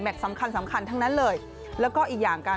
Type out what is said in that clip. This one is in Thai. แมทสำคัญทั้งนั้นเลย